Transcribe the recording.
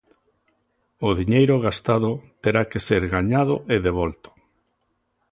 O diñeiro gastado terá que ser gañado e devolto.